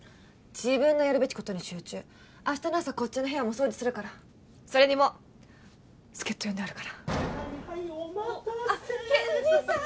自分のやるべきことに集中明日の朝こっちの部屋もお掃除するからそれにもう助っ人呼んであるからはいはいお待たせあっケンジさん